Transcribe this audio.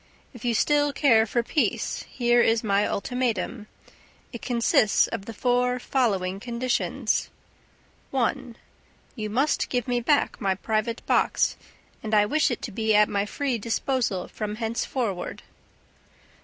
If you still care for peace, here is my ultimatum. It consists of the four following conditions: 1. You must give me back my private box; and I wish it to be at my free disposal from henceforward.